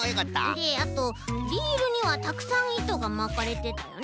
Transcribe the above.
であとリールにはたくさんいとがまかれてたよね。